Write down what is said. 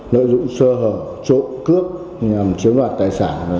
lợi dụng sơ hở trộm cướp nhằm chiếm loạt tài sản